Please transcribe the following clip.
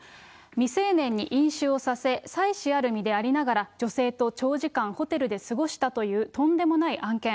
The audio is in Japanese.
未成年に飲酒をさせ、妻子ある身でありながら、女性と長時間ホテルで過ごしたという、とんでもない案件。